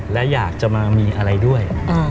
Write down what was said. และอยากจะมามีอะไรด้วย